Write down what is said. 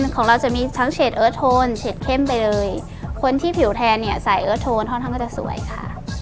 ของเราจะมีทั้งเฉดเอิร์ทโทนเฉดเข้มไปเลยคนที่ผิวแทนเนี่ยใส่เอิร์ทโทนค่อนข้างก็จะสวยค่ะ